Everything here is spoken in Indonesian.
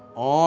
oh gak boleh